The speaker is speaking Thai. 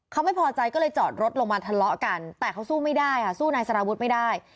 เขาไม่พอใจก็เลยจอดรถลงมาทะเลาะกันแต่เขาสู้ไม่ได้ค่ะสู้นายสารวุฒิไม่ได้